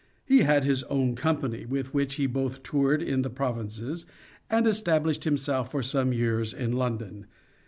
He had his own company, with which he both toured in the provinces, and es tablished himself for some years in London.